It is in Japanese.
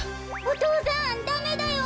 お父さんダメだよ。